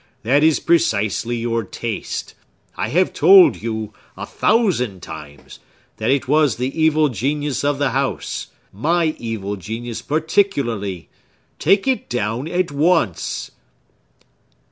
—that is precisely your taste! I have told you, a thousand times, that it was the evil genius of the house!—my evil genius particularly! Take it down, at once!"